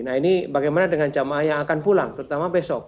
nah ini bagaimana dengan jamaah yang akan pulang terutama besok